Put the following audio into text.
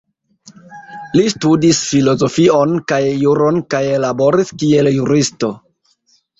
Li studis filozofion kaj juron kaj laboris kiel juristo.